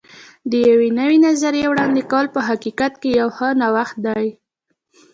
د یوې نوې نظریې وړاندې کول په حقیقت کې یو ښه نوښت دی.